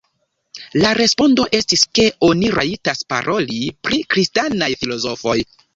La respondo estis ke oni rajtas paroli pri kristanaj filozofoj.